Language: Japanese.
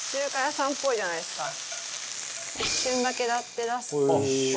一瞬だけやって出す。